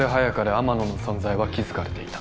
天野の存在は気づかれていた